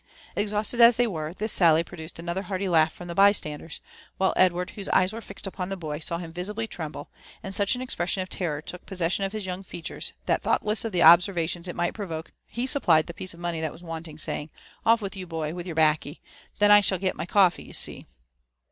Exhausted as they were, this sally produced another hearty laugh from the bystanders ; while Edward, whose eyes were fixed upon the boy, saw him visibly tremble, and such an expression of terror took possession of his young features, that, thoughtless of the observations JONATHAN JEFFERSON WmTLAW/ 93 it might proYoke, he supplied the piece of money that was wanting, saying, '' Off with you, boy, with your laccy; and then I shall get my coffee, you see."